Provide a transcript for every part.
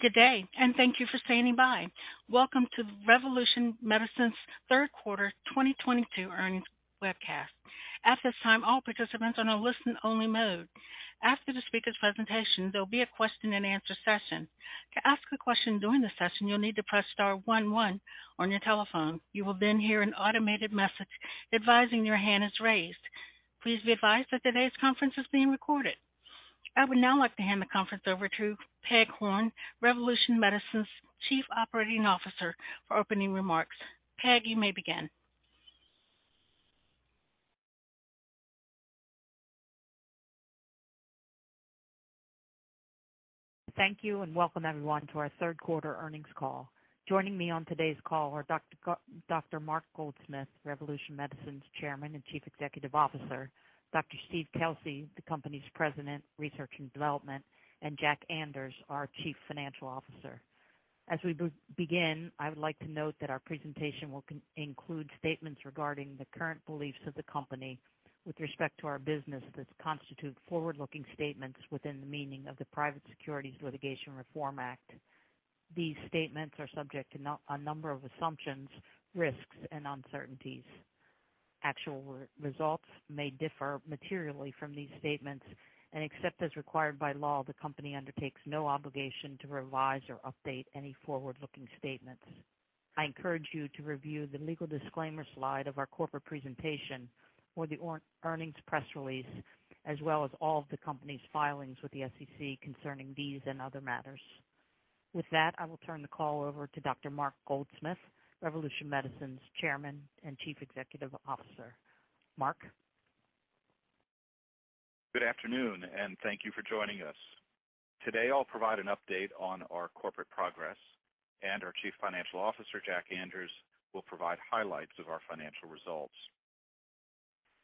Good day, and thank you for standing by. Welcome to the Revolution Medicines's Third Quarter 2022 Earnings webcast. At this time, all participants are in a listen-only mode. After the speaker's presentation, there'll be a question-and-answer session. To ask a question during the session, you'll need to press star one one on your telephone. You will then hear an automated message advising your hand is raised. Please be advised that today's conference is being recorded. I would now like to hand the conference over to Margaret Horn, Revolution Medicines's Chief Operating Officer, for opening remarks. Peg, you may begin. Thank you, and welcome everyone to our Third Quarter Earnings Call. Joining me on today's call are Dr. Mark Goldsmith, Revolution Medicines's Chairman and Chief Executive Officer, Dr. Steve Kelsey, the company's President, Research and Development, and Jack Anders, our Chief Financial Officer. As we begin, I would like to note that our presentation will include statements regarding the current beliefs of the company with respect to our business that constitute forward-looking statements within the meaning of the Private Securities Litigation Reform Act. These statements are subject to a number of assumptions, risks and uncertainties. Actual results may differ materially from these statements, and except as required by law, the company undertakes no obligation to revise or update any forward-looking statements. I encourage you to review the legal disclaimer slide of our corporate presentation or the earnings press release, as well as all of the company's filings with the SEC concerning these and other matters. With that, I will turn the call over to Dr. Mark Goldsmith, Revolution Medicines's Chairman and Chief Executive Officer. Mark. Good afternoon, and thank you for joining us. Today I'll provide an update on our corporate progress, and our Chief Financial Officer, Jack Anders, will provide highlights of our financial results.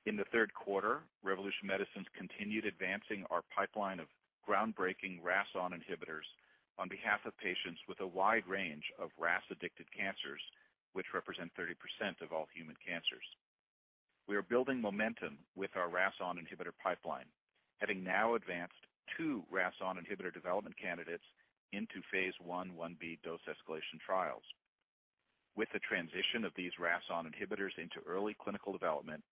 In the third quarter, Revolution Medicines continued advancing our pipeline of groundbreaking RAS(ON) inhibitors on behalf of patients with a wide range of RAS-addicted cancers, which represent 30% of all human cancers. We are building momentum with our RAS(ON) inhibitor pipeline, having now advanced 2 RAS(ON) inhibitor development candidates into phase 1, 1b dose escalation trials. With the transition of these RAS(ON) inhibitors into early clinical development,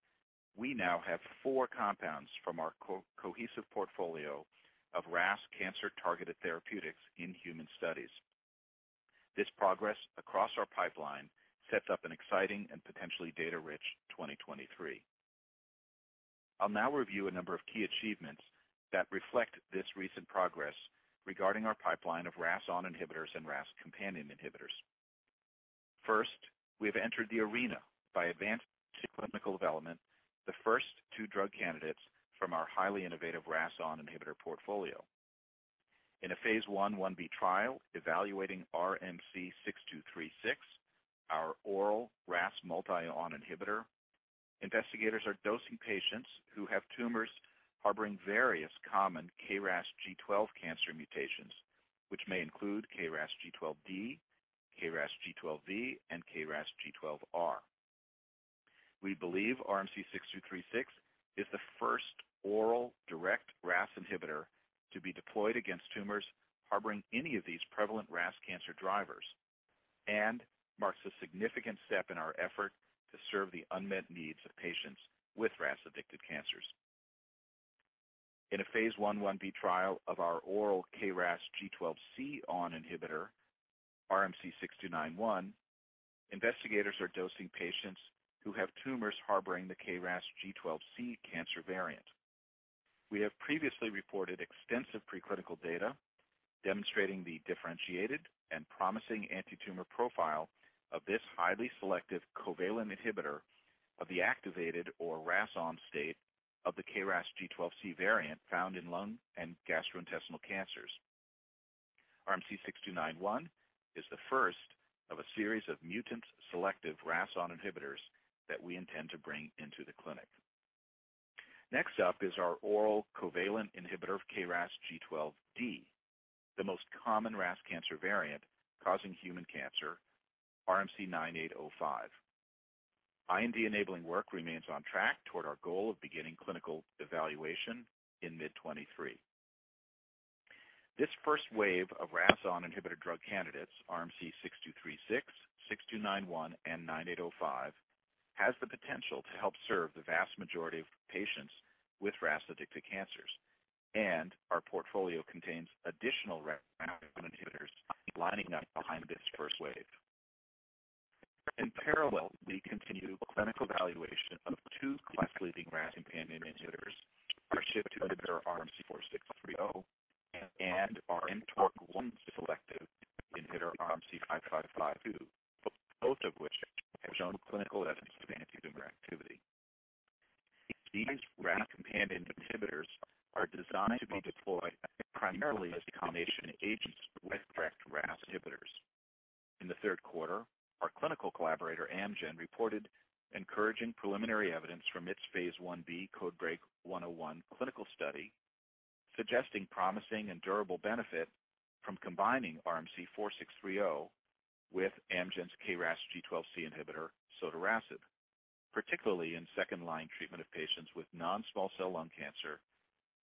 we now have 4 compounds from our cohesive portfolio of RAS cancer-targeted therapeutics in human studies. This progress across our pipeline sets up an exciting and potentially data-rich 2023. I'll now review a number of key achievements that reflect this recent progress regarding our pipeline of RAS(ON) inhibitors and RAS companion inhibitors. First, we have entered the arena by advancing to clinical development the first two drug candidates from our highly innovative RAS(ON) inhibitor portfolio. In a phase 1, 1b trial evaluating RMC-6236, our oral RAS(ON) multi(ON) inhibitor, investigators are dosing patients who have tumors harboring various common KRAS G12 cancer mutations, which may include KRAS G12D, KRAS G12V, and KRAS G12R. We believe RMC-6236 is the first oral direct RAS inhibitor to be deployed against tumors harboring any of these prevalent RAS cancer drivers, and marks a significant step in our effort to serve the unmet needs of patients with RAS-addicted cancers. In a phase 1b trial of our oral KRAS G12C ON inhibitor, RMC-6291, investigators are dosing patients who have tumors harboring the KRAS G12C cancer variant. We have previously reported extensive preclinical data demonstrating the differentiated and promising antitumor profile of this highly selective covalent inhibitor of the activated or RAS(ON) state of the KRAS G12C variant found in lung and gastrointestinal cancers. RMC-6291 is the first of a series of mutant-selective RAS(ON) inhibitors that we intend to bring into the clinic. Next up is our oral covalent inhibitor of KRAS G12D, the most common RAS cancer variant causing human cancer, RMC-9805. IND-enabling work remains on track toward our goal of beginning clinical evaluation in mid-2023. This first wave of RAS(ON) inhibitor drug candidates, RMC-6236, RMC-6291, and RMC-9805, has the potential to help serve the vast majority of patients with RAS-addicted cancers, and our portfolio contains additional RAS inhibitors lining up behind this first wave. In parallel, we continue a clinical evaluation of two class-leading RAS companion inhibitors, our SHP-2 inhibitor RMC-4630 and our mTORC1 selective inhibitor, RMC-5552, both of which have shown clinical evidence of antitumor activity. These RAS companion inhibitors are designed to be deployed primarily as combination agents with direct RAS inhibitors. In the third quarter, our clinical collaborator, Amgen, reported encouraging preliminary evidence from its phase 1b CodeBreaK 101 clinical study, suggesting promising and durable benefit from combining RMC-4630 with Amgen's KRAS G12C inhibitor, sotorasib. Particularly in second line treatment of patients with non-small cell lung cancer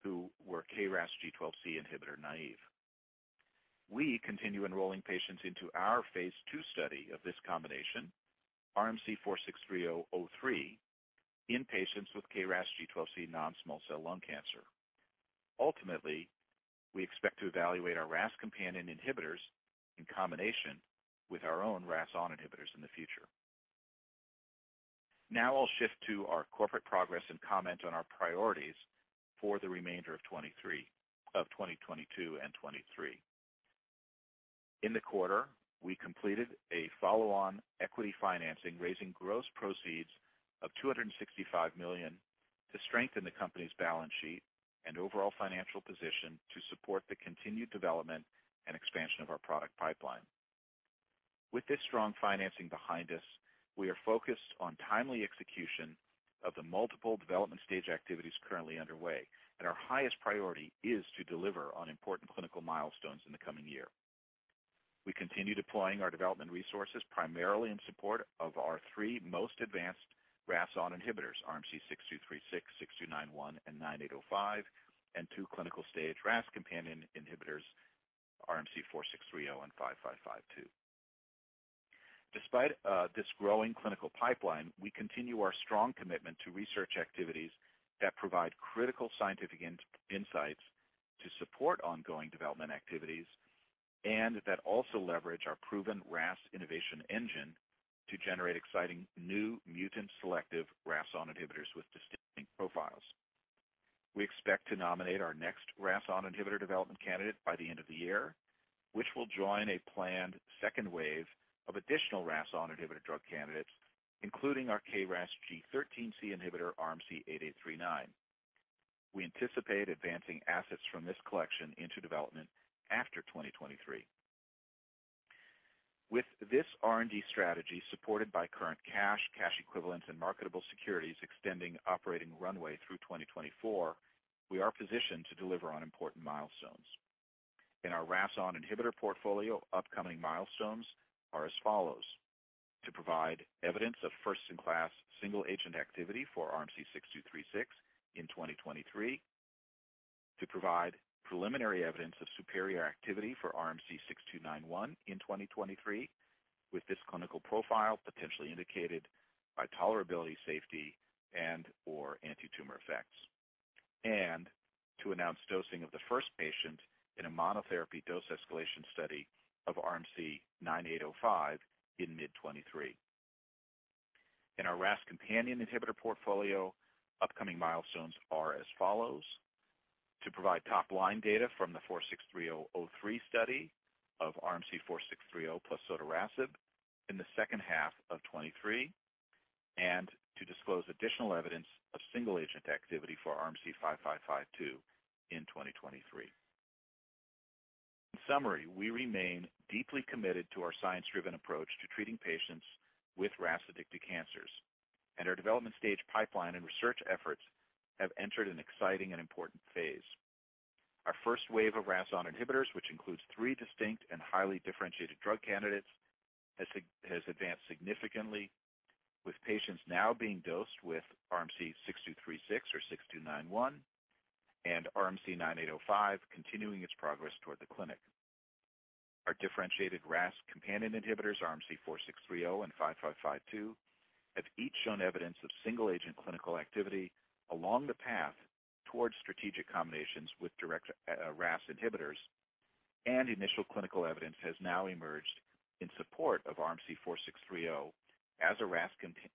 who were KRAS G12C inhibitor naive. We continue enrolling patients into our phase 2 study of this combination, RMC-4630-03, in patients with KRAS G12C non-small cell lung cancer. Ultimately, we expect to evaluate our RAS companion inhibitors in combination with our own RAS(ON) inhibitors in the future. Now I'll shift to our corporate progress and comment on our priorities for the remainder of 2022 and 2023. In the quarter, we completed a follow-on equity financing, raising gross proceeds of $265 million to strengthen the company's balance sheet and overall financial position to support the continued development and expansion of our product pipeline. With this strong financing behind us, we are focused on timely execution of the multiple development stage activities currently underway, and our highest priority is to deliver on important clinical milestones in the coming year. We continue deploying our development resources primarily in support of our three most advanced RAS(ON) inhibitors, RMC-6236, RMC-6291 and RMC-9805, and two clinical stage RAS companion inhibitors, RMC-4630 and RMC-5552. Despite this growing clinical pipeline, we continue our strong commitment to research activities that provide critical scientific insights to support ongoing development activities and that also leverage our proven RAS innovation engine to generate exciting new mutant-selective RAS(ON) inhibitors with distinct profiles. We expect to nominate our next RAS(ON) inhibitor development candidate by the end of the year, which will join a planned second wave of additional RAS(ON) inhibitor drug candidates, including our KRAS G13C inhibitor, RMC-8839. We anticipate advancing assets from this collection into development after 2023. With this R&D strategy, supported by current cash equivalents and marketable securities extending operating runway through 2024, we are positioned to deliver on important milestones. In our RAS(ON) inhibitor portfolio, upcoming milestones are as follows: to provide evidence of first-in-class single-agent activity for RMC-6236 in 2023, to provide preliminary evidence of superior activity for RMC-6291 in 2023, with this clinical profile potentially indicated by tolerability, safety, and/or antitumor effects. To announce dosing of the first patient in a monotherapy dose escalation study of RMC-9805 in mid-2023. In our RAS Companion Inhibitor portfolio, upcoming milestones are as follows: to provide top-line data from the RMC-4630-03 study of RMC-4630 plus sotorasib in the second half of 2023, and to disclose additional evidence of single-agent activity for RMC-5552 in 2023. In summary, we remain deeply committed to our science-driven approach to treating patients with RAS-addicted cancers, and our development-stage pipeline and research efforts have entered an exciting and important phase. Our first wave of RAS(ON) inhibitors, which includes three distinct and highly differentiated drug candidates, has advanced significantly with patients now being dosed with RMC-6236 or 6291 and RMC-9805 continuing its progress toward the clinic. Our differentiated RAS companion inhibitors, RMC-4630 and 5552, have each shown evidence of single-agent clinical activity along the path toward strategic combinations with direct RAS inhibitors and initial clinical evidence has now emerged in support of RMC-4630 as a RAS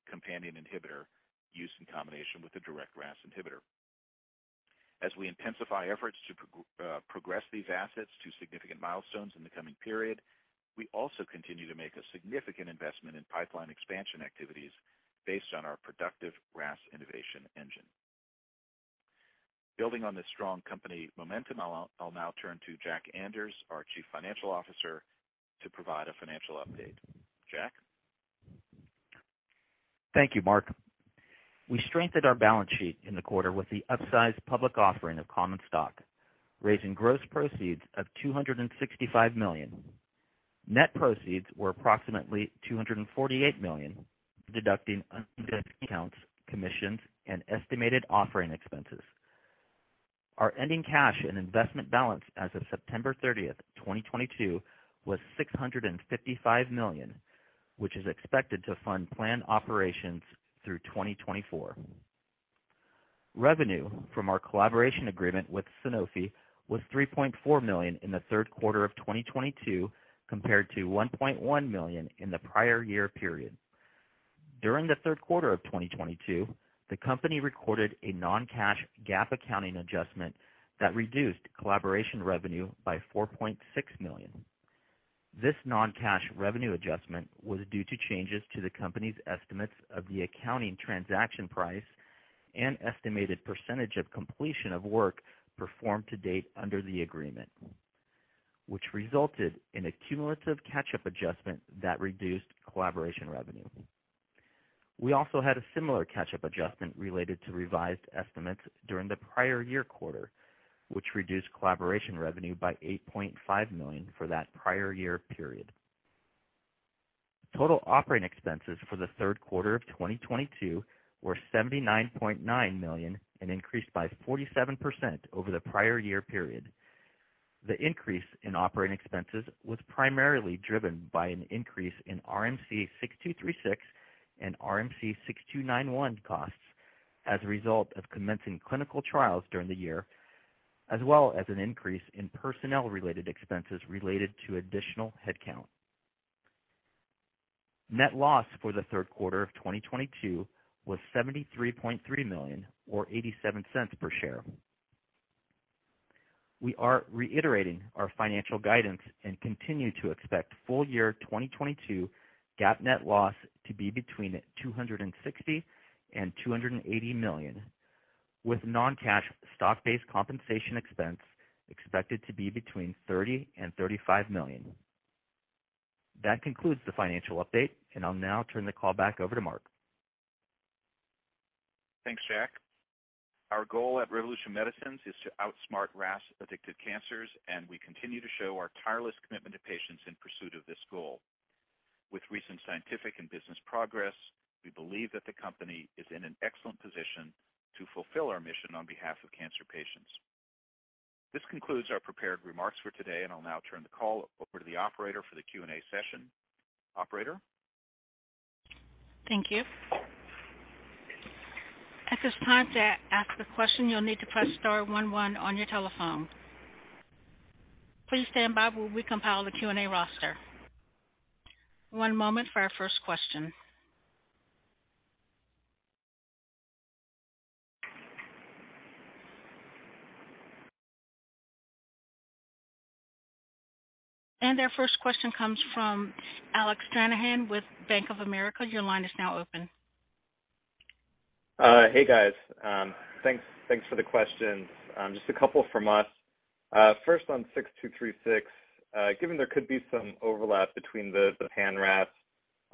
companion inhibitor used in combination with a direct RAS inhibitor. As we intensify efforts to progress these assets to significant milestones in the coming period, we also continue to make a significant investment in pipeline expansion activities based on our productive RAS innovation engine. Building on this strong company momentum, I'll now turn to Jack Anders, our Chief Financial Officer, to provide a financial update. Jack? Thank you, Mark. We strengthened our balance sheet in the quarter with the upsized public offering of common stock, raising gross proceeds of $265 million. Net proceeds were approximately $248 million, deducting accounts, commissions, and estimated offering expenses. Our ending cash and investment balance as of September 30, 2022 was $655 million, which is expected to fund planned operations through 2024. Revenue from our collaboration agreement with Sanofi was $3.4 million in the third quarter of 2022, compared to $1.1 million in the prior year period. During the third quarter of 2022, the company recorded a non-cash GAAP accounting adjustment that reduced collaboration revenue by $4.6 million. This non-cash revenue adjustment was due to changes to the company's estimates of the accounting transaction price and estimated percentage of completion of work performed to date under the agreement, which resulted in a cumulative catch-up adjustment that reduced collaboration revenue. We also had a similar catch-up adjustment related to revised estimates during the prior year quarter, which reduced collaboration revenue by $8.5 million for that prior year period. Total operating expenses for the third quarter of 2022 were $79.9 million, and increased by 47% over the prior year period. The increase in operating expenses was primarily driven by an increase in RMC-6236 and RMC-6291 costs as a result of commencing clinical trials during the year, as well as an increase in personnel-related expenses related to additional headcount. Net loss for the third quarter of 2022 was $73.3 million or $0.87 per share. We are reiterating our financial guidance and continue to expect full year 2022 GAAP net loss to be between $260 million and $280 million, with non-cash stock-based compensation expense expected to be between $30 million and $35 million. That concludes the financial update, and I'll now turn the call back over to Mark. Thanks, Jack. Our goal at Revolution Medicines is to outsmart RAS-addicted cancers, and we continue to show our tireless commitment to patients in pursuit of this goal. With recent scientific and business progress, we believe that the company is in an excellent position to fulfill our mission on behalf of cancer patients. This concludes our prepared remarks for today, and I'll now turn the call over to the operator for the Q&A session. Operator? Thank you. At this time, to ask the question, you'll need to press star one one on your telephone. Please stand by while we compile the Q&A roster. One moment for our first question. Our first question comes from Alec Stranahan with Bank of America. Your line is now open. Hey, guys. Thanks for the questions. Just a couple from us. First on 6236, given there could be some overlap between the pan-RAS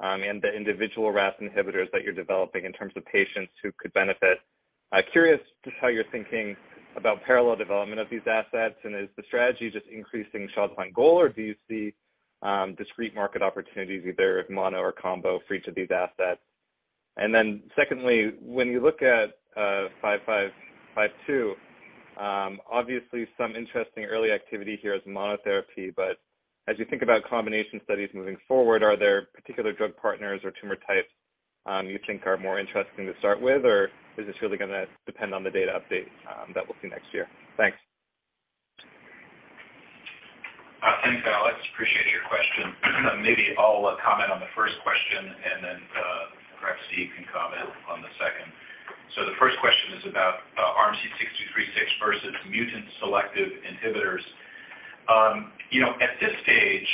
and the individual RAS inhibitors that you're developing in terms of patients who could benefit, I'm curious just how you're thinking about parallel development of these assets, and is the strategy just increasing shots on goal, or do you see discrete market opportunities either with mono or combo for each of these assets? Then secondly, when you look at 5552, obviously some interesting early activity here as monotherapy. But as you think about combination studies moving forward, are there particular drug partners or tumor types you think are more interesting to start with? Is this really gonna depend on the data update, that we'll see next year? Thanks. Thanks, Alec. Appreciate your question. Maybe I'll comment on the first question, and then perhaps Steve can comment on the second. The first question is about RMC-6236 versus mutant selective inhibitors. You know, at this stage,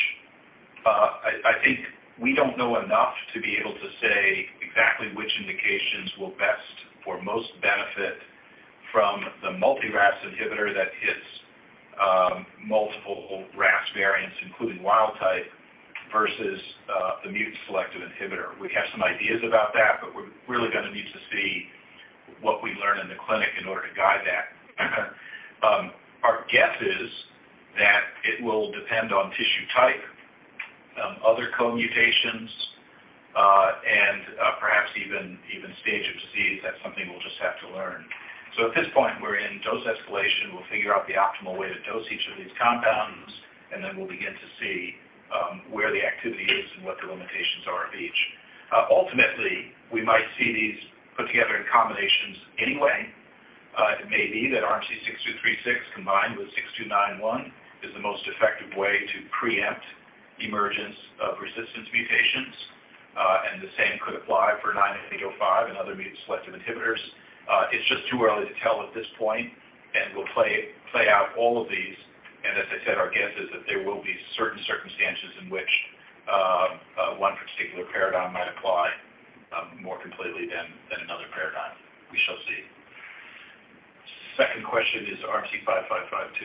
I think we don't know enough to be able to say exactly which indications will best or most benefit from the multi RAS inhibitor that hits multiple RAS variants, including wild type versus the mutant selective inhibitor. We have some ideas about that, but we're really gonna need to see what we learn in the clinic in order to guide that. Our guess is that it will depend on tissue type, other co-mutations, and perhaps even stage of disease. That's something we'll just have to learn. At this point, we're in dose escalation. We'll figure out the optimal way to dose each of these compounds, and then we'll begin to see where the activity is and what the limitations are of each. Ultimately, we might see these put together in combinations anyway. It may be that RMC-6236 combined with RMC-6291 is the most effective way to preempt emergence of resistance mutations. The same could apply for RMC-9805 and other mutant selective inhibitors. It's just too early to tell at this point, and we'll play out all of these. As I said, our guess is that there will be certain circumstances in which one particular paradigm might apply more completely than another paradigm. We shall see. Second question is RMC-5552.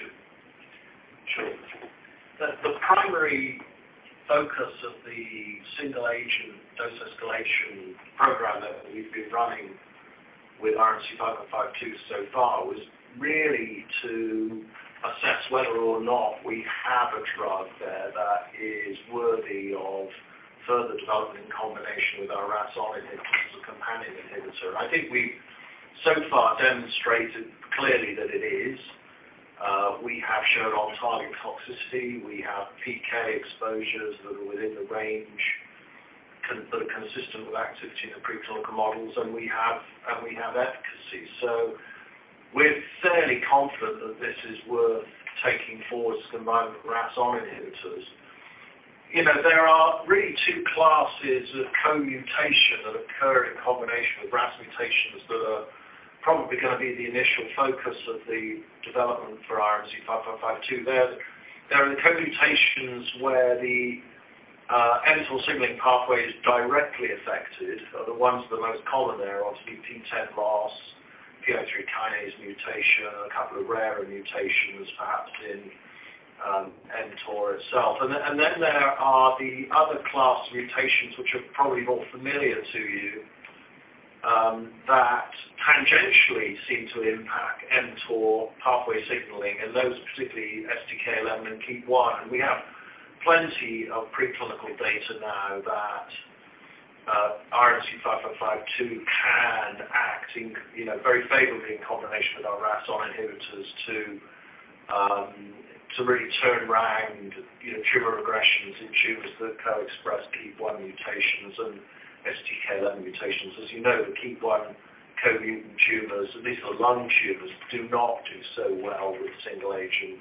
Sure. The primary focus of the single agent dose escalation program that we've been running with RMC-5552 so far was really to assess whether or not we have a drug there that is worthy of further development in combination with our RAS on inhibitors or companion inhibitor. I think we've so far demonstrated clearly that it is. We have shown on-target toxicity. We have PK exposures that are within the range that are consistent with activity in the preclinical models, and we have efficacy. We're fairly confident that this is worth taking forward as combined RAS on inhibitors. You know, there are really two classes of co-mutation that occur in combination with RAS mutations that are probably gonna be the initial focus of the development for RMC-5552. They are the co-mutations where the mTOR signaling pathway is directly affected. The most common there ought to be PTEN loss, PI3 kinase mutation, a couple of rarer mutations perhaps in mTOR itself. There are the other class of mutations which are probably more familiar to you, that tangentially seem to impact mTOR pathway signaling and those particularly STK11 and KEAP1. We have plenty of preclinical data now that RMC-5552 can act in, you know, very favorably in combination with our RAS(ON) inhibitors to really turn around, you know, tumor regressions in tumors that co-express KEAP1 mutations and STK11 mutations. As you know, the KEAP1 co-mutant tumors, at least the lung tumors, do not do so well with single agent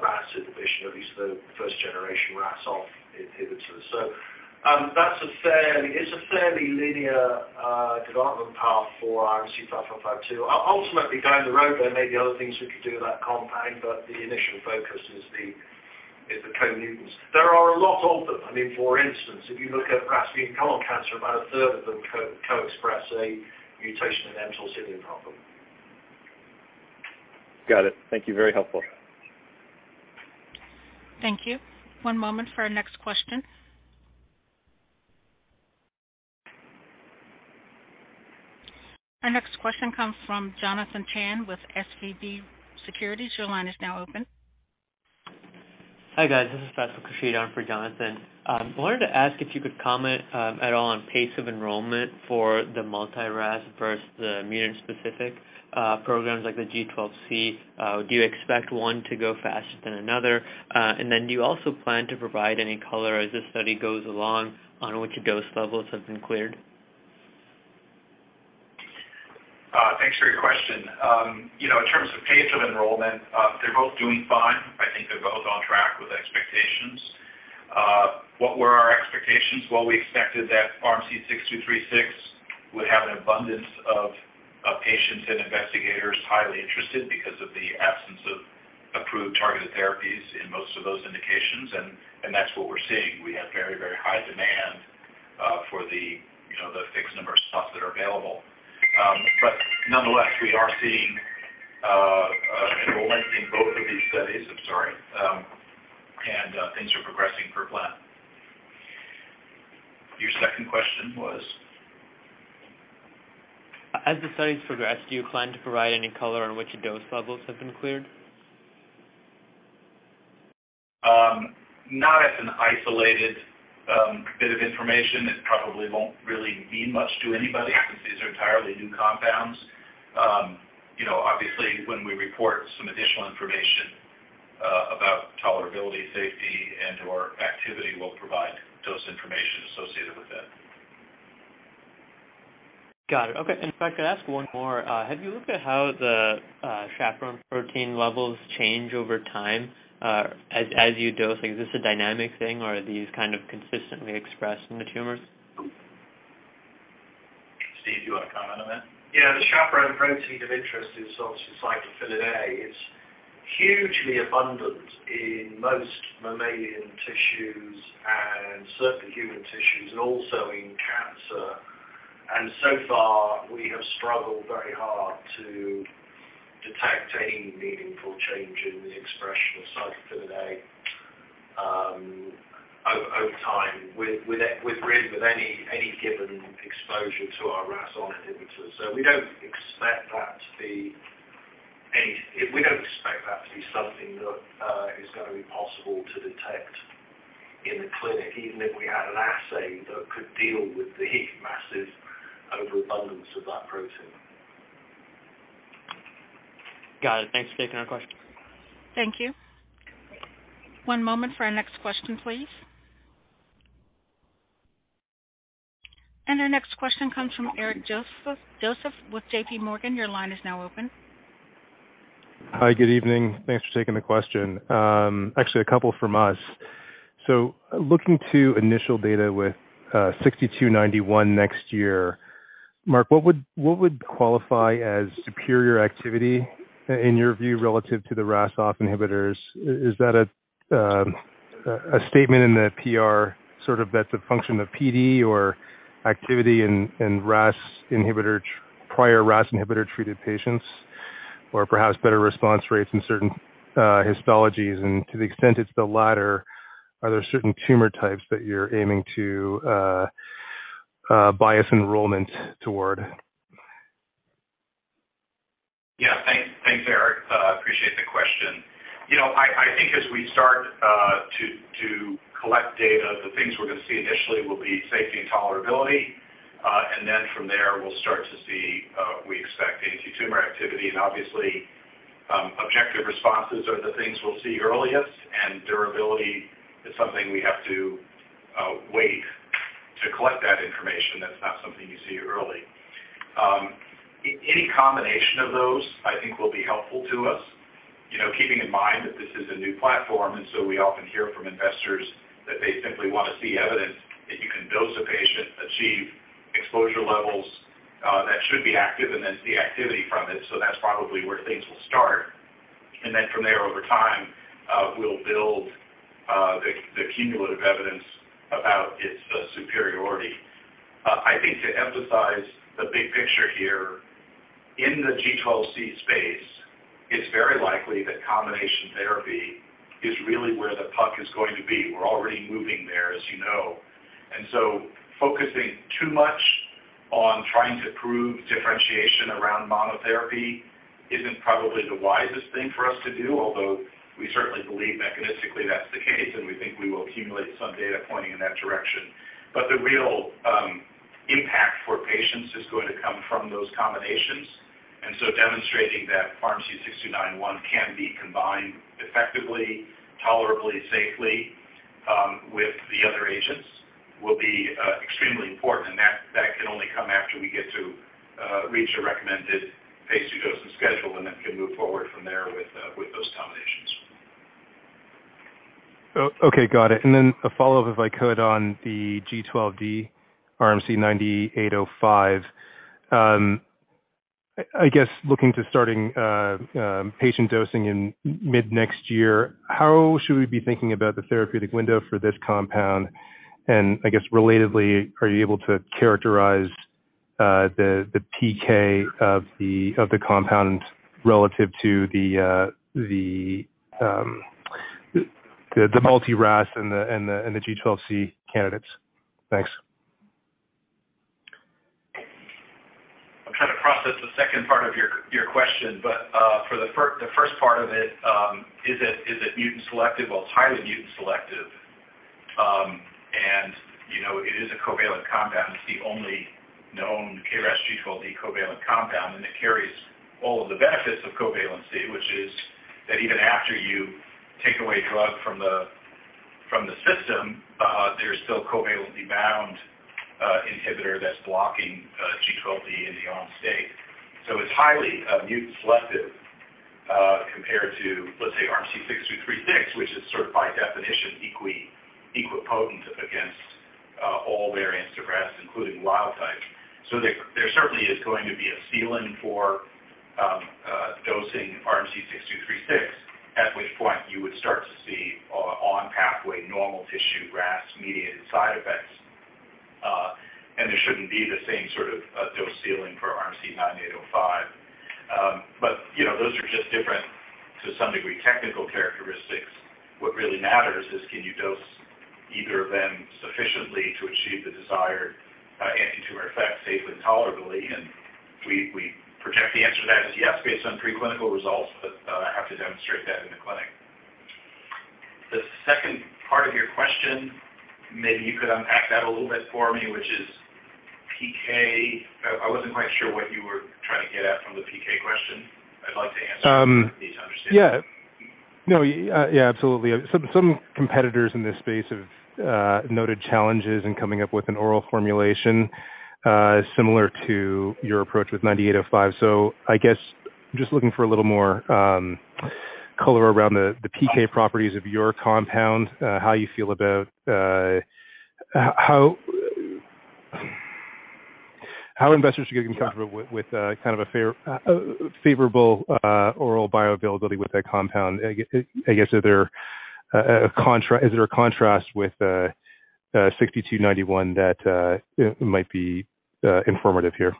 RAS inhibition, at least the first generation RAS-OFF inhibitors. It's a fairly linear development path for RMC-5552. Ultimately, down the road, there may be other things we could do with that compound, but the initial focus is the co-mutants. There are a lot of them. I mean, for instance, if you look at perhaps colon cancer, about a third of them co-express a mutation in mTOR signaling pathway. Got it. Thank you. Very helpful. Thank you. One moment for our next question. Our next question comes from Jonathan Chang with SVB Securities. Your line is now open. Hi, guys. This is Pascal Mesquida for Jonathan. Wanted to ask if you could comment at all on pace of enrollment for the multi RAS versus the mutant-specific programs like the G12C. Do you expect one to go faster than another? Do you also plan to provide any color as this study goes along on which dose levels have been cleared? Thanks for your question. You know, in terms of pace of enrollment, they're both doing fine. I think they're both on track with expectations. What were our expectations? Well, we expected that RMC-6236 would have an abundance of patients and investigators highly interested because of the absence of approved targeted therapies in most of those indications, and that's what we're seeing. We have very, very high demand for the, you know, the fixed number of spots that are available. Nonetheless, we are seeing enrollment in both of these studies. I'm sorry. Things are progressing per plan. Your second question was? As the studies progress, do you plan to provide any color on which dose levels have been cleared? Not as an isolated bit of information. It probably won't really mean much to anybody since these are entirely new compounds. You know, obviously, when we report some additional information about tolerability, safety and/or activity, we'll provide dose information associated with it. Got it. Okay. If I could ask one more, have you looked at how the chaperone protein levels change over time, as you dose? Is this a dynamic thing or are these kind of consistently expressed in the tumors? Steve, do you want to comment on that? Yeah. The chaperone protein of interest is obviously cyclophilin A. It's hugely abundant in most mammalian tissues and certain human tissues and also in cancer. So far, we have struggled very hard to detect any meaningful change in the expression of cyclophilin A over time with really any given exposure to our RAS(ON) inhibitors. We don't expect that to be something that is going to be possible to detect in the clinic, even if we had an assay that could deal with the massive overabundance of that protein. Got it. Thanks for taking our questions. Thank you. One moment for our next question, please. Our next question comes from Eric Joseph with JPMorgan. Your line is now open. Hi. Good evening. Thanks for taking the question. Actually a couple from us. Looking to initial data with RMC-6291 next year, Mark, what would qualify as superior activity in your view, relative to the RAS off inhibitors? Is that a statement in the PR sort of that's a function of PD or activity in RAS inhibitor prior RAS inhibitor-treated patients, or perhaps better response rates in certain histologies? To the extent it's the latter, are there certain tumor types that you're aiming to bias enrollment toward? Yeah. Thanks. Thanks, Eric. Appreciate the question. You know, I think as we start to collect data, the things we're gonna see initially will be safety and tolerability. Then from there, we'll start to see, we expect anti-tumor activity. Obviously, objective responses are the things we'll see earliest. Durability is something we have to wait to collect that information. That's not something you see early. Any combination of those I think will be helpful to us. You know, keeping in mind that this is a new platform, so we often hear from investors that they simply want to see evidence that you can dose a patient, achieve exposure levels that should be active and then see activity from it. That's probably where things will start. Then from there, over time, we'll build the cumulative evidence about its superiority. I think to emphasize the big picture here. In the G12C space, it's very likely that combination therapy is really where the puck is going to be. We're already moving there, as you know. Focusing too much on trying to prove differentiation around monotherapy isn't probably the wisest thing for us to do, although we certainly believe mechanistically that's the case, and we think we will accumulate some data pointing in that direction. The real impact for patients is going to come from those combinations. Demonstrating that RMC-6291 can be combined effectively, tolerably, safely, with the other agents will be extremely important. That can only come after we get to reach a recommended Phase 2 dosing schedule, and then can move forward from there with those combinations. Okay, got it. A follow-up, if I could, on the G12D RMC-9805. I guess looking to starting patient dosing in mid next year, how should we be thinking about the therapeutic window for this compound? I guess relatedly, are you able to characterize the PK of the compound relative to the multi-RAS and the G12C candidates? Thanks. I'm trying to process the second part of your question, but for the first part of it, is it mutant selective? Well, it's highly mutant selective. You know, it is a covalent compound. It's the only known KRAS G12D covalent compound, and it carries all of the benefits of covalency, which is that even after you take away drug from the system, there's still covalently bound inhibitor that's blocking G12D in the on state. So it's highly mutant selective compared to, let's say, RMC-6236, which is sort of by definition equipotent against all variants of RAS, including wild type. There certainly is going to be a ceiling for dosing RMC-6236, at which point you would start to see on pathway normal tissue RAS mediated side effects. There shouldn't be the same sort of dose ceiling for RMC-9805. You know, those are just different, to some degree, technical characteristics. What really matters is can you dose either of them sufficiently to achieve the desired antitumor effect safely tolerably? We project the answer to that is yes, based on preclinical results, but have to demonstrate that in the clinic. The second part of your question, maybe you could unpack that a little bit for me, which is PK. I wasn't quite sure what you were trying to get at from the PK question. I'd like to answer it. I need to understand. Yeah. No, yeah, absolutely. Some competitors in this space have noted challenges in coming up with an oral formulation similar to your approach with RMC-9805. I guess just looking for a little more color around the PK properties of your compound, how you feel about how investors should get comfortable with kind of a favorable oral bioavailability with that compound. I guess, is there a contrast with RMC-6291 that might be informative here?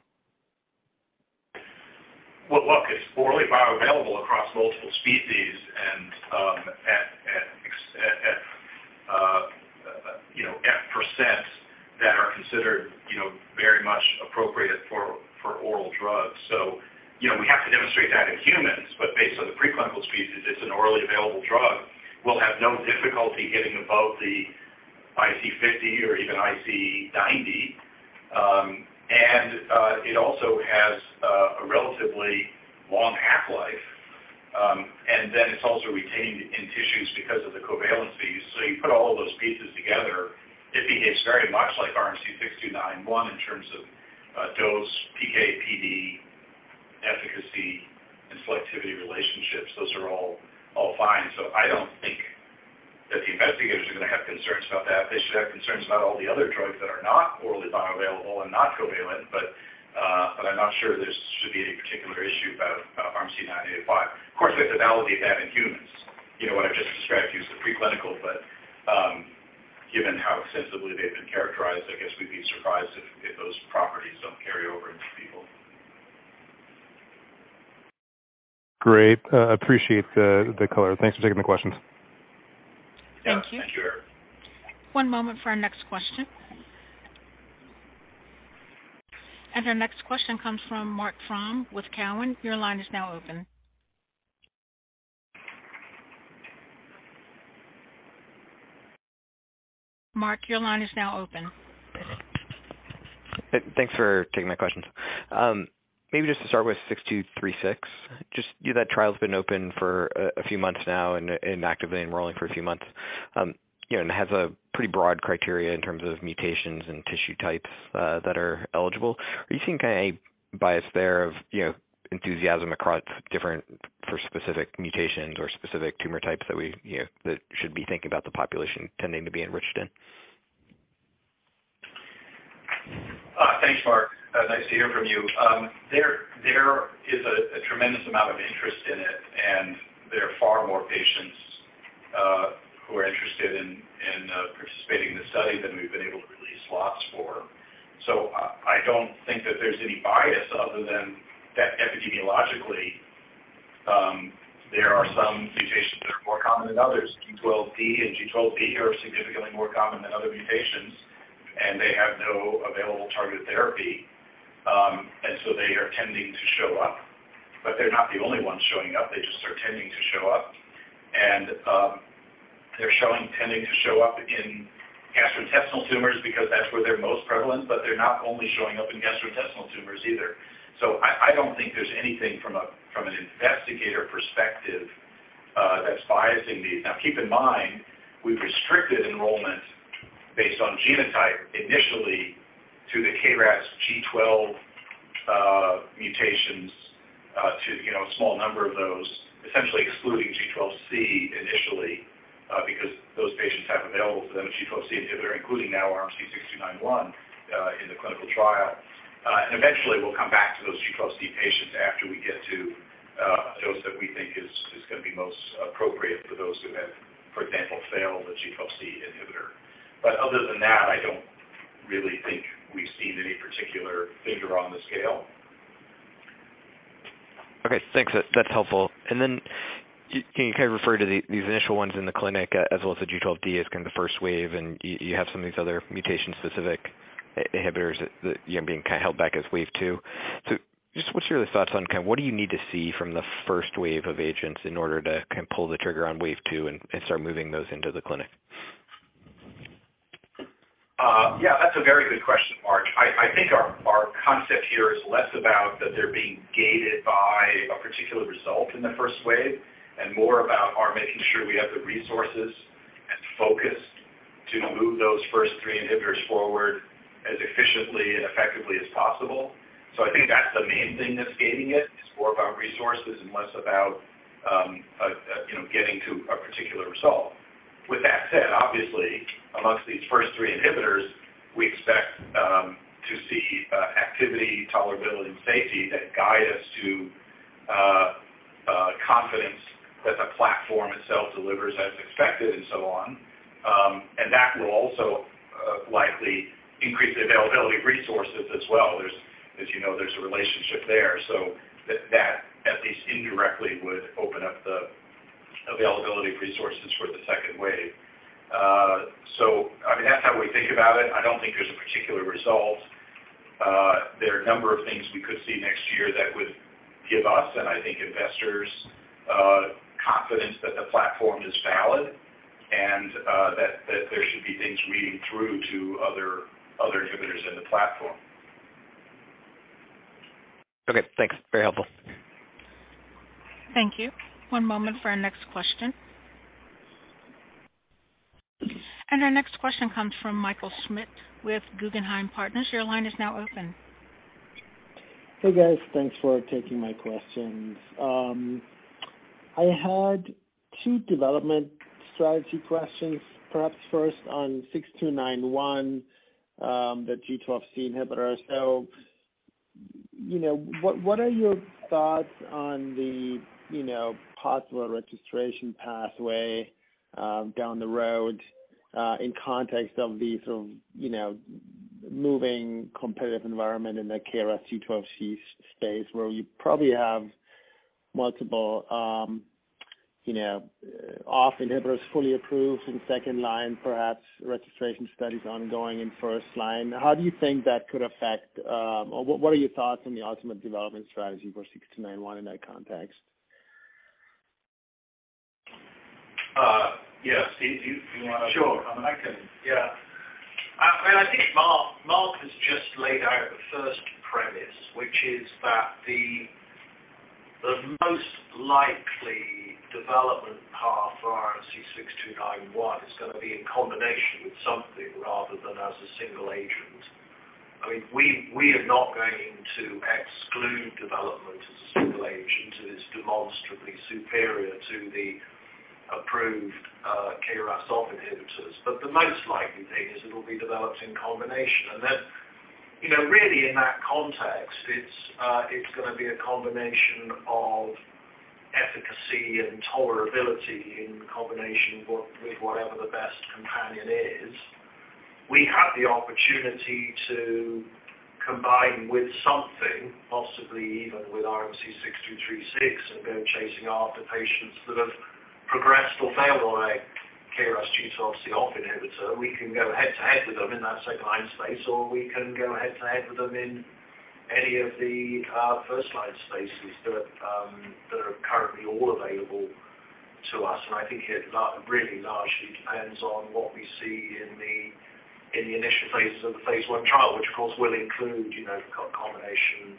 Well, look, it's orally bioavailable across multiple species and, you know, at percents that are considered, you know, very much appropriate for oral drugs. You know, we have to demonstrate that in humans, but based on the preclinical species, it's an orally available drug. We'll have no difficulty getting above the IC50 or even IC90. It also has a relatively long half-life, and it's also retained in tissues because of the covalency. You put all those pieces together, it behaves very much like RMC-6291 in terms of dose, PK/PD, efficacy, and selectivity relationships. Those are all fine. I don't think that the investigators are gonna have concerns about that. They should have concerns about all the other drugs that are not orally bioavailable and not covalent, but I'm not sure there should be any particular issue about RMC-9805. Of course, we have to validate that in humans, you know, what I've just described to you is the preclinical, but given how extensively they've been characterized, I guess we'd be surprised if those properties don't carry over into people. Great. Appreciate the color. Thanks for taking the questions. Yeah. Your- Thank you. One moment for our next question. Our next question comes from Marc Frahm with TD Cowen. Your line is now open. Marc, your line is now open. Thanks for taking my questions. Maybe just to start with 6236, you know, that trial's been open for a few months now and actively enrolling for a few months, you know, and has a pretty broad criteria in terms of mutations and tissue types that are eligible. Are you seeing any bias there of enthusiasm across different for specific mutations or specific tumor types that we, you know, that should be thinking about the population tending to be enriched in? Thanks, Mark. Nice to hear from you. There is a tremendous amount of interest in it, and there are far more patients who are interested in participating in the study than we've been able to release slots for. I don't think that there's any bias other than that epidemiologically, there are some mutations that are more common than others. G12D and G12V are significantly more common than other mutations, and they have no available targeted therapy. They are tending to show up. They're not the only ones showing up, they just are tending to show up. They're tending to show up in gastrointestinal tumors because that's where they're most prevalent, but they're not only showing up in gastrointestinal tumors either. I don't think there's anything from an investigator perspective that's biasing these. Now keep in mind, we've restricted enrollment based on genotype initially to the KRAS G12 mutations to you know a small number of those, essentially excluding G12C initially because those patients have available to them a G12C inhibitor, including now RMC-6291 in the clinical trial. Eventually we'll come back to those G12C patients after we get to a dose that we think is gonna be most appropriate for those who have, for example, failed the G12C inhibitor. Other than that, I don't really think we've seen any particular finger on the scale. Okay. Thanks. That's helpful. Can you kind of refer to these initial ones in the clinic as well as the G12D as kind of the first wave, and you have some of these other mutation-specific inhibitors that, you know, being kind of held back as wave two. Just what's your thoughts on kind of what do you need to see from the first wave of agents in order to kind of pull the trigger on wave two and start moving those into the clinic? Yeah, that's a very good question, Mark. I think our concept here is less about that they're being gated by a particular result in the first wave and more about our making sure we have the resources and focus to move those first three inhibitors forward as efficiently and effectively as possible. I think that's the main thing that's gating it. It's more about resources and less about you know, getting to a particular result. With that said, obviously, amongst these first three inhibitors, we expect to see activity, tolerability and safety that guide us to confidence that the platform itself delivers as expected and so on. That will also likely increase the availability of resources as well. As you know, there's a relationship there. That, at least indirectly, would open up the availability of resources for the second wave. I mean, that's how we think about it. I don't think there's a particular result. There are a number of things we could see next year that would give us, and I think investors, confidence that the platform is valid and, that there should be things reading through to other inhibitors in the platform. Okay, thanks. Very helpful. Thank you. One moment for our next question. Our next question comes from Michael Schmidt with Guggenheim Partners. Your line is now open. Hey, guys. Thanks for taking my questions. I had two development strategy questions, perhaps first on 6291, the G12C inhibitor. You know, what are your thoughts on the possible registration pathway down the road in context of the sort of moving competitive environment in the KRAS G12C space where you probably have multiple inhibitors fully approved in second line, perhaps registration studies ongoing in first line. How do you think that could affect. Or what are your thoughts on the ultimate development strategy for 6291 in that context? Yes. Steve, do you wanna- Sure. I mean, I can. Yeah. I think Mark has just laid out the first premise, which is that the most likely development path for our RMC-6291 is gonna be in combination with something rather than as a single agent. I mean, we are not going to exclude development as a single agent if it's demonstrably superior to the approved KRAS off inhibitors. The most likely thing is it'll be developed in combination. You know, really in that context, it's gonna be a combination of efficacy and tolerability in combination with whatever the best companion is. We have the opportunity to combine with something, possibly even with RMC-6236, and go chasing after patients that have progressed or failed on a KRAS G12C off inhibitor. We can go head-to-head with them in that second line space, or we can go head-to-head with them in any of the first-line spaces that are currently all available to us. I think it really largely depends on what we see in the initial phases of the phase 1 trial, which of course will include, you know, combination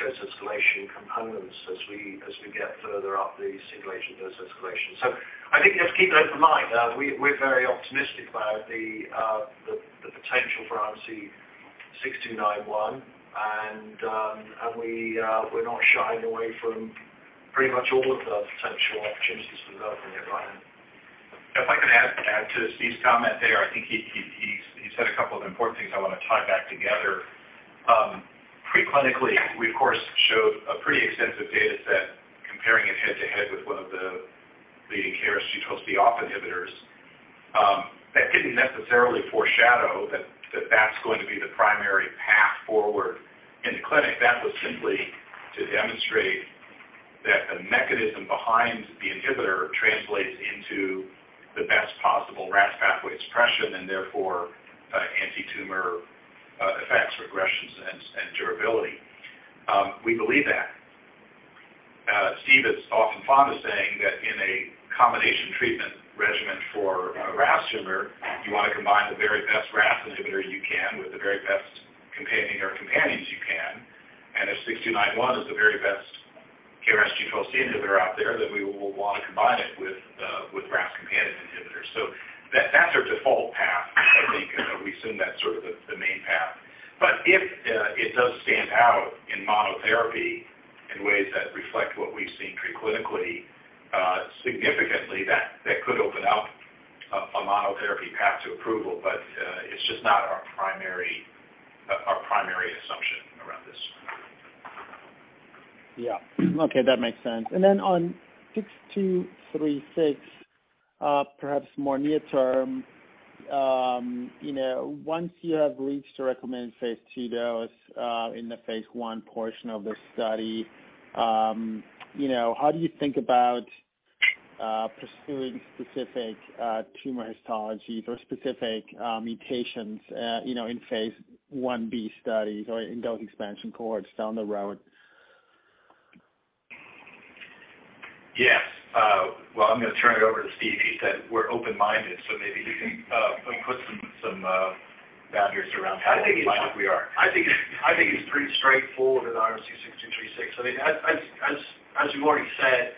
dose escalation components as we get further up the single-agent dose escalation. I think let's keep an open mind. We're very optimistic about the potential for RMC-6291, and we're not shying away from pretty much all of the potential opportunities for developing it, Ryan. If I could add to Steve's comment there. I think he said a couple of important things I wanna tie back together. Preclinically, we of course showed a pretty extensive data set comparing it head-to-head with one of the leading KRAS G12V ON inhibitors. That didn't necessarily foreshadow that that's going to be the primary path forward in the clinic. That was simply to demonstrate that the mechanism behind the inhibitor translates into the best possible RAS pathway expression, and therefore, antitumor effects, regressions and durability. We believe that. Steve is often fond of saying that in a combination treatment regimen for a RAS tumor, you wanna combine the very best RAS inhibitor you can with the very best companion or companions you can. If 6291 is the very best KRAS G12C inhibitor out there, then we will wanna combine it with RAS companion inhibitors. That's our default path, I think. You know, we assume that's sort of the main path. If it does stand out in monotherapy in ways that reflect what we've seen preclinically, significantly, that could open up a monotherapy path to approval. It's just not our primary assumption around this. Yeah. Okay, that makes sense. On RMC-6236, perhaps more near term, you know, once you have reached a recommended Phase 2 dose, in the Phase 1 portion of the study, you know, how do you think about pursuing specific tumor histologies or specific mutations, you know, in Phase 1b studies or in dose expansion cohorts down the road? Yes. Well, I'm gonna turn it over to Steve. He said we're open-minded, so maybe he can put some boundaries around how open-minded we are. I think it's pretty straightforward with RMC-6236. I mean, as you've already said,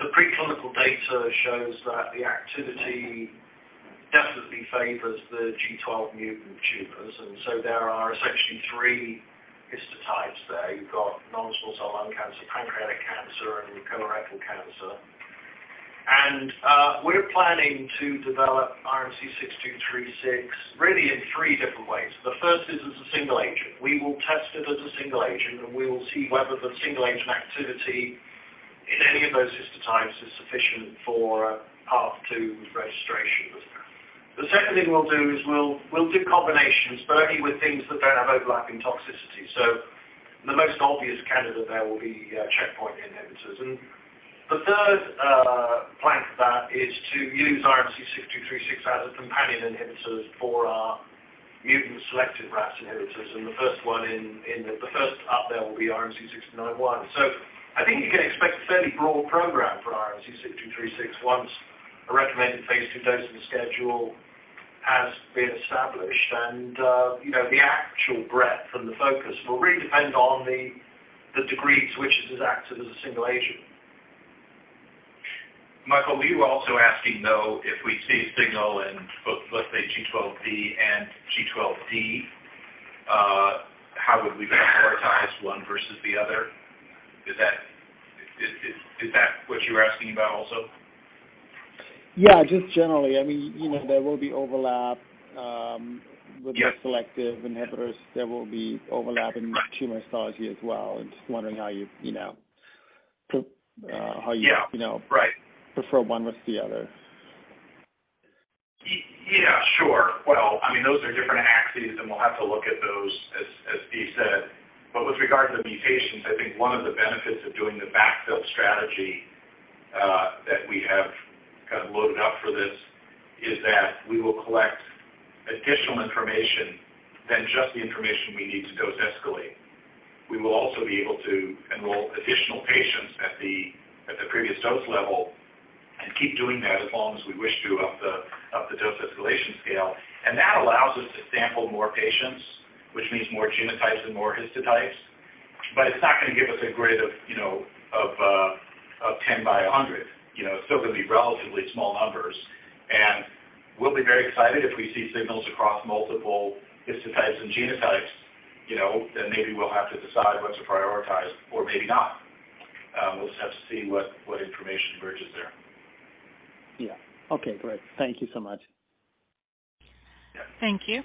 the preclinical data shows that the activity definitely favors the G12 mutant tumors. There are essentially three histotypes there. You've got non-small cell lung cancer, pancreatic cancer, and colorectal cancer. We're planning to develop RMC-6236 really in three different ways. The first is as a single agent. We will test it as a single agent, and we will see whether the single agent activity in any of those histotypes is sufficient for a path to registration. The second thing we'll do is we'll do combinations, but only with things that don't have overlapping toxicity. The most obvious candidate there will be checkpoint inhibitors. The third plank of that is to use RMC-6236 as a companion inhibitor for our mutant selective RAS inhibitors. The first one up there will be RMC-6291. I think you can expect a fairly broad program for RMC-6236 once a recommended Phase 2 dosing schedule has been established. You know, the actual breadth and the focus will really depend on the degree to which it is active as a single agent. Michael, were you also asking, though, if we see a signal in both, let's say G12V and G12D, how would we prioritize one versus the other? Is that what you were asking about also? Yeah, just generally. I mean, you know, there will be overlap. Yes. With the selective inhibitors. There will be overlap in tumor histology as well. I'm just wondering how you know, put? Yeah. -how you know- Right. prefer one versus the other. Yeah, sure. Well, I mean, those are different axes, and we'll have to look at those, as Steve said. With regard to the mutations, I think one of the benefits of doing the backfill strategy that we have kind of loaded up for this is that we will collect additional information than just the information we need to dose escalate. We will also be able to enroll additional patients at the previous dose level and keep doing that as long as we wish to up the dose escalation scale. That allows us to sample more patients, which means more genotypes and more histotypes. It's not gonna give us a grid of, you know, 10 by 100. You know, it's still gonna be relatively small numbers. We'll be very excited if we see signals across multiple histotypes and genotypes, you know. Maybe we'll have to decide what to prioritize or maybe not. We'll just have to see what information emerges there. Yeah. Okay, great. Thank you so much. Yeah. Thank you.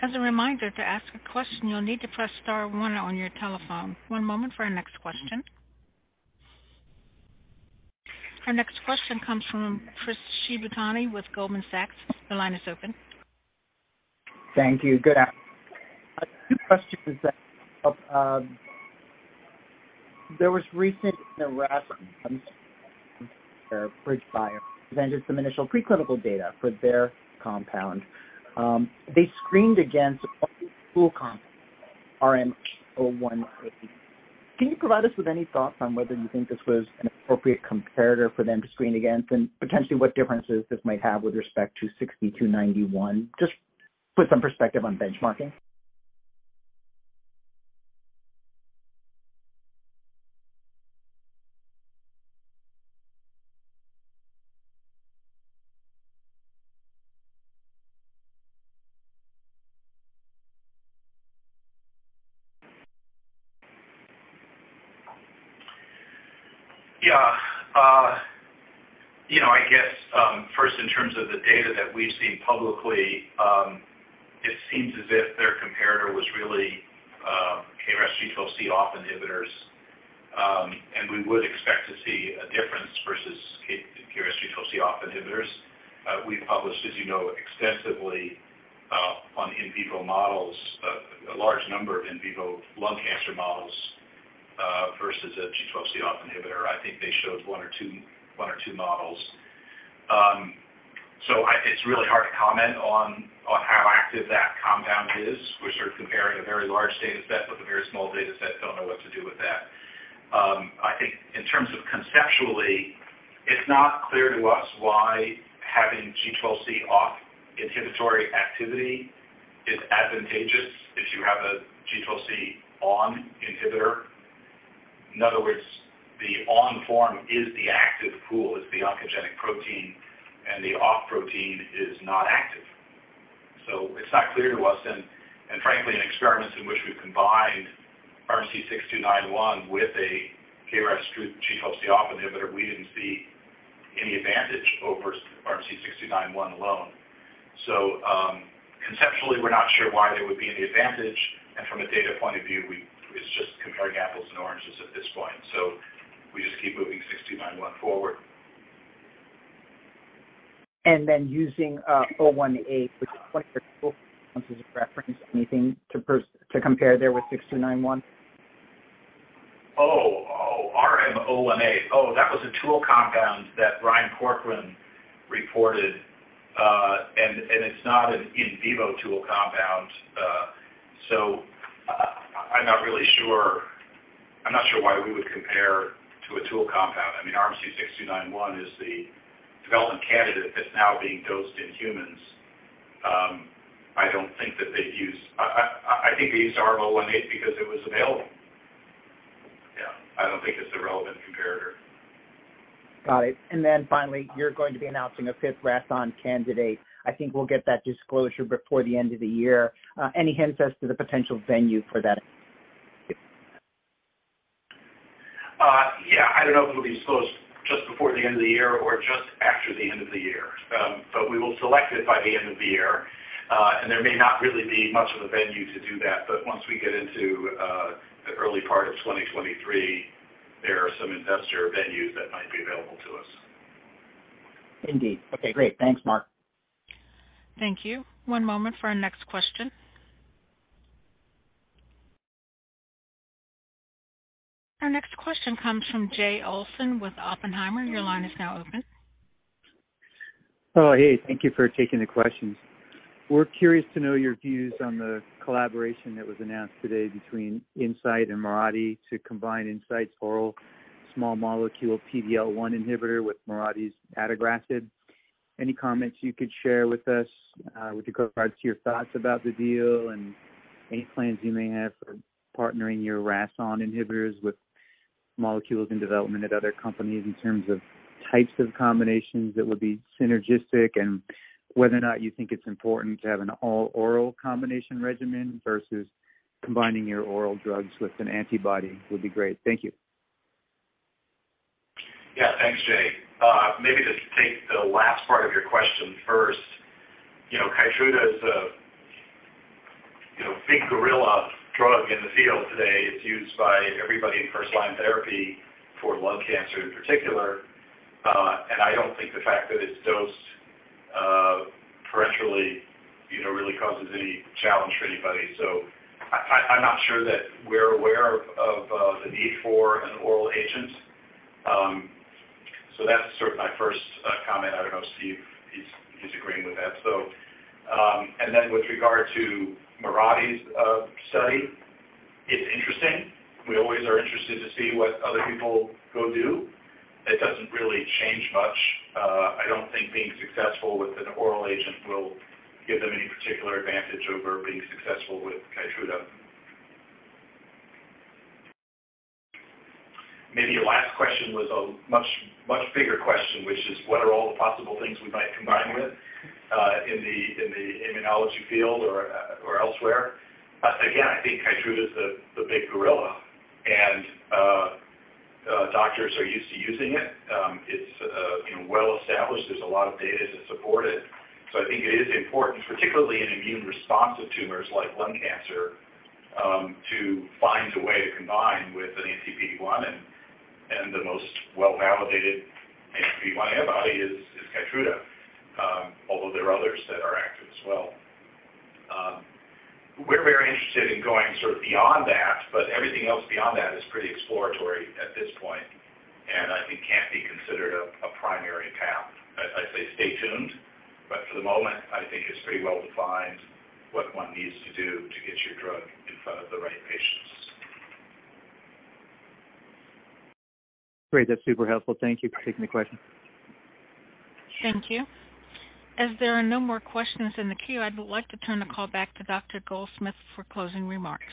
As a reminder, to ask a question, you'll need to press star one on your telephone. One moment for our next question. Our next question comes from Chris Shibutani with Goldman Sachs. Your line is open. Thank you. A few questions. There was a recent RAS inhibitor. BridgeBio presented some initial preclinical data for their compound. They screened against a full complement of RMC-6291. Can you provide us with any thoughts on whether you think this was an appropriate comparator for them to screen against? Potentially, what differences this might have with respect to RMC-6291? Just to put some perspective on benchmarking. Yeah. You know, I guess, first in terms of the data that we've seen publicly, it seems as if their comparator was really KRAS G12C off inhibitors, and we would expect to see a difference versus KRAS G12C off inhibitors. We've published, as you know, extensively on in vivo models, a large number of in vivo lung cancer models versus a G12C off inhibitor. I think they showed one or two models. So it's really hard to comment on how active that compound is. We're sort of comparing a very large data set with a very small data set. Don't know what to do with that. I think in terms of conceptually, it's not clear to us why having G12C off inhibitory activity is advantageous if you have a G12C on inhibitor. In other words, the on form is the active pool, is the oncogenic protein, and the off protein is not active. It's not clear to us then. Frankly, in experiments in which we've combined RMC-6291 with a KRAS G12C off inhibitor, we didn't see any advantage over RMC-6291 alone. Conceptually, we're not sure why there would be any advantage. From a data point of view, it's just comparing apples and oranges at this point. We just keep moving RMC-6291 forward. using RM-018, which is what your tool reference anything to compare there with RMC-6291? Oh, RM-018. That was a tool compound that Ryan Corcoran reported. It's not an in vivo tool compound. I'm not really sure. I'm not sure why we would compare to a tool compound. I mean, RMC-6291 is the development candidate that's now being dosed in humans. I think they used RM-018 because it was available. Yeah, I don't think it's a relevant comparator. Got it. Finally, you're going to be announcing a fifth RAS(ON) candidate. I think we'll get that disclosure before the end of the year. Any hints as to the potential venue for that? Yeah. I don't know if it'll be disclosed just before the end of the year or just after the end of the year. We will select it by the end of the year. There may not really be much of a venue to do that. Once we get into the early part of 2023, there are some investor venues that might be available to us. Indeed. Okay, great. Thanks, Mark. Thank you. One moment for our next question. Our next question comes from Jay Olson with Oppenheimer. Your line is now open. Hey. Thank you for taking the questions. We're curious to know your views on the collaboration that was announced today between Incyte and Mirati to combine Incyte's oral small molecule PDL1 inhibitor with Mirati's adagrasib. Any comments you could share with us with regards to your thoughts about the deal and any plans you may have for partnering your RAS(ON) inhibitors with molecules in development at other companies in terms of types of combinations that would be synergistic and whether or not you think it's important to have an all oral combination regimen versus combining your oral drugs with an antibody would be great. Thank you. Yeah. Thanks, Jay. Maybe just to take the last part of your question first. You know, KEYTRUDA is a, you know, big gorilla drug in the field today. It's used by everybody in first line therapy for lung cancer in particular. I don't think the fact that it's dosed parenterally, you know, really causes any challenge for anybody. I'm not sure that we're aware of the need for an oral agent. That's sort of my first comment. I don't know if Steve is agreeing with that. With regard to Mirati's study, it's interesting. We always are interested to see what other people go do. It doesn't really change much. I don't think being successful with an oral agent will give them any particular advantage over being successful with KEYTRUDA. Maybe your last question was a much, much bigger question, which is what are all the possible things we might combine with in the immunology field or elsewhere? Again, I think KEYTRUDA is the big gorilla, and doctors are used to using it. It's well-established. There's a lot of data to support it. I think it is important, particularly in immune responsive tumors like lung cancer, to find a way to combine with an anti-PD-1. The most well-validated anti-PD-1 antibody is KEYTRUDA. Although there are others that are active as well. We're very interested in going sort of beyond that, but everything else beyond that is pretty exploratory at this point, and I think can't be considered a primary path As I say, stay tuned, but for the moment, I think it's pretty well-defined what one needs to do to get your drug in front of the right patients. Great. That's super helpful. Thank you for taking the question. Thank you. As there are no more questions in the queue, I would like to turn the call back to Dr. Goldsmith for closing remarks.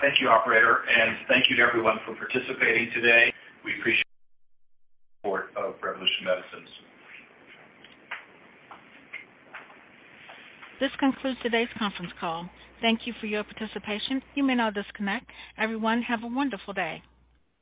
Thank you, operator, and thank you to everyone for participating today. We appreciate support of Revolution Medicines. This concludes today's conference call. Thank you for your participation. You may now disconnect. Everyone, have a wonderful day.